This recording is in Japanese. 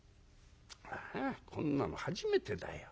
「あこんなの初めてだよ。